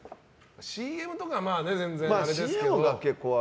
ＣＭとかは全然あれですけど。